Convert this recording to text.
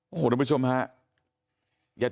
โอ้โฮท่านผู้ชมค่ะ